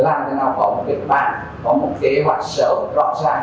làm cho nào có một việc bản có một kế hoạch sở hữu rõ ràng